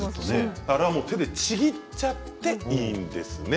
あれは手でちぎっちゃっていいんですね。